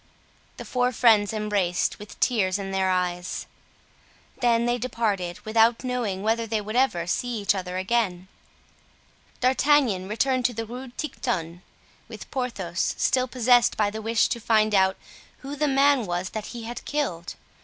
The four friends embraced with tears in their eyes. Then they departed, without knowing whether they would ever see each other again. D'Artagnan returned to the Rue Tiquetonne with Porthos, still possessed by the wish to find out who the man was that he had killed.